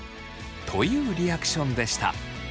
というリアクションでした。